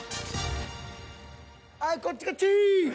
はいこっちこっち。